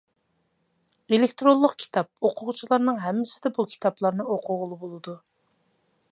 ئېلېكتىرونلۇق كىتاب ئوقۇغۇچلارنىڭ ھەممىسىدە بۇ كىتابلارنى ئوقۇغىلى بولىدۇ.